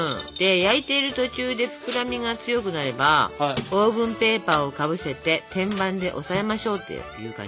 焼いている途中で膨らみが強くなればオーブンペーパーをかぶせて天板で押さえましょうっていう感じです。